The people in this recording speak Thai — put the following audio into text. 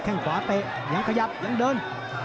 งขวาเตะยังขยับยังเดิน